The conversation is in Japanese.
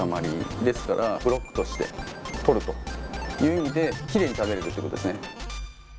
ですからブロックとして取るという意味でキレイに食べれるってことですね。